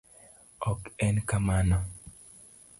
Ok en kamano.